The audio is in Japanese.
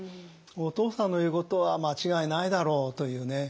お父さんの言うことは間違いないだろうというね。